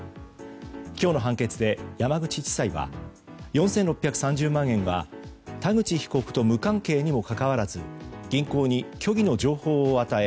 今日の判決で山口地裁は４６３０万円は田口被告と無関係にもかかわらず銀行に虚偽の情報を与え